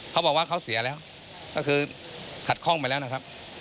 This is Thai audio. เขาบอกว่าเขาเสียแล้วก็คือขัดข้องไปแล้วนะครับ